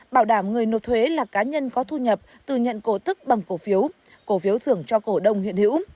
bảo đảm người nộp thuế là cá nhân có thu nhập từ nhận cổ tức bằng cổ phiếu cổ phiếu thưởng cho cổ đông hiện hữu